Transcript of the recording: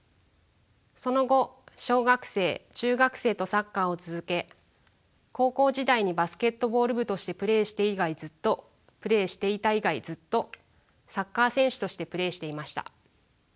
その後小学生中学生とサッカーを続け高校時代にバスケットボール部としてプレーしていた以外ずっとサッカー選手としてプレーしていました。